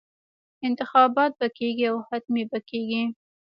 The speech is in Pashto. انتخابات به کېږي او حتمي به کېږي.